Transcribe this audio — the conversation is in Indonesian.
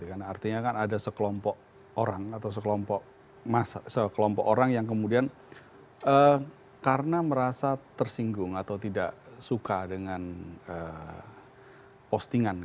artinya kan ada sekelompok orang atau sekelompok orang yang kemudian karena merasa tersinggung atau tidak suka dengan postingan